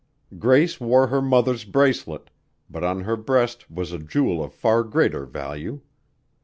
Grace wore her mother's bracelet, but on her breast was a jewel of far greater value.